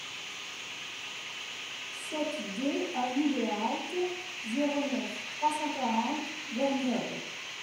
sept D avenue de la Halte, zéro neuf, trois cent quarante, Verniolle